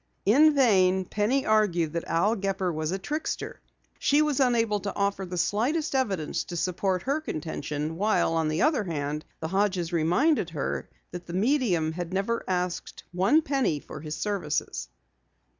In vain Penny argued that Al Gepper was a trickster. She was unable to offer the slightest evidence to support her contention while, on the other hand, the Hodges reminded her that the medium had never asked one penny for his services.